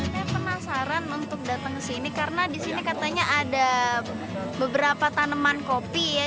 saya penasaran untuk datang ke sini karena di sini katanya ada beberapa tanaman kopi ya